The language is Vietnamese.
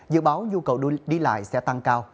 dự báo nhu cầu đi lại sẽ tăng cao